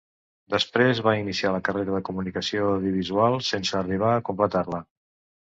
Després va iniciar la carrera de Comunicació Audiovisual sense arribar a completar-la.